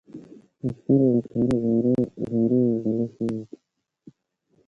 اکثر لیکیرہ گھین٘رہ وَیں بلی ݜُون٘واں تھو۔